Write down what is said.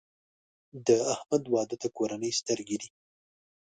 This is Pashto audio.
د احمد واده ته کورنۍ سترګې دي.